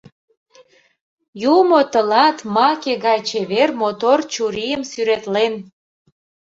Юмо тылат маке гай чевер-мотор чурийым сӱретлен.